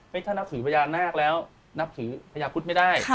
เฮ้ยถ้านับถือพระยานาคแล้วนับถือพระยาครุฑิ์ไม่ได้